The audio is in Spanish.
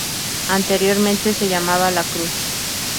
Anteriormente se llamaba La Cruz.